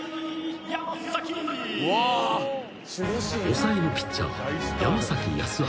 ［抑えのピッチャー山康晃］